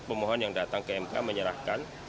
pemohon yang datang ke mk menyerahkan